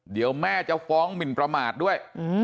เดี๋ยวแม่จะฟ้องหมินประมาทด้วย